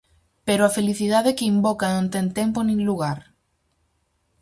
Pero a felicidade que invoca non ten tempo nin lugar.